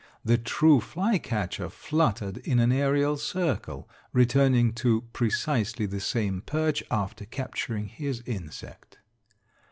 The true flycatcher fluttered in an aerial circle, returning to precisely the same perch after capturing his insect.